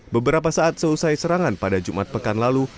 beberapa saat seusai serangan pada jumat pekan lalu